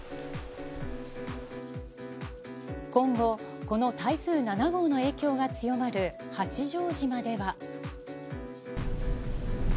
今後、この台風７号の影響が強まる八丈島では。